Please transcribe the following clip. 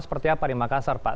seperti apa di makassar pak